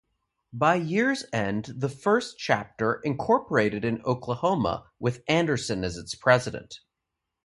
By year's end, the first chapter incorporated in Oklahoma with Anderson as its president.